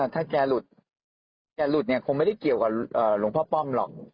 ถ้าแกหลุดถ้าแกหลุดเนี่ยคงไม่ได้เกี่ยวกับหลวงพ่อป้อมหรอก